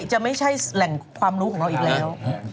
จะไม่ใช่แหล่งความรู้ของเราอีกแล้ว